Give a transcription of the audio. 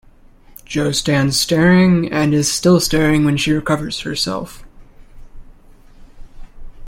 Jo stands staring, and is still staring when she recovers herself.